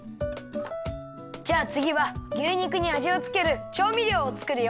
じゃあつぎは牛肉にあじをつけるちょうみりょうをつくるよ。